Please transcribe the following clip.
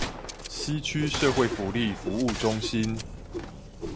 西區社會福利服務中心